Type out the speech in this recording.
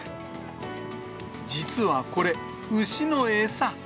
実はこれ、牛の餌。